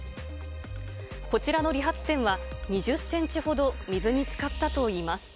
こちらの理髪店は、２０センチほど水につかったといいます。